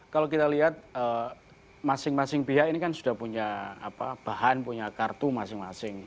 kalau kita lihat masing masing pihak ini kan sudah punya bahan punya kartu masing masing